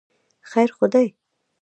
خیر خو دی.